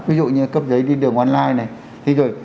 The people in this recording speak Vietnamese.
ví dụ như cấp giấy đi đường online này